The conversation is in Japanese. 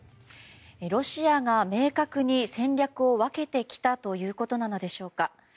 ロシアが明確に戦略を分けてきたということなのでしょうか。